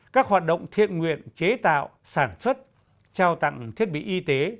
các hoạt động thiện nguyện chế tạo sản xuất trao tặng thiết bị y tế